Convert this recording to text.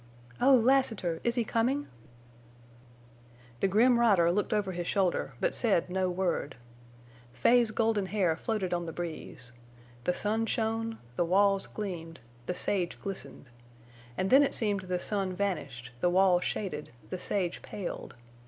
"Oh, Lassiter! Is he coming?" The grim rider looked over his shoulder, but said no word. Fay's golden hair floated on the breeze. The sun shone; the walls gleamed; the sage glistened. And then it seemed the sun vanished, the walls shaded, the sage paled.